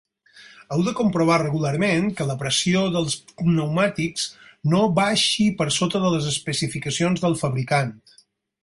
Heu de comprovar regularment que la pressió dels pneumàtics no baixi per sota de les especificacions del fabricant.